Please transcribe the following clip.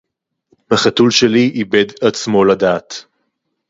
החתול שלי איבד עצמו לדעת!